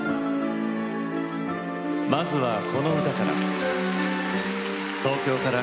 まずは、この歌から。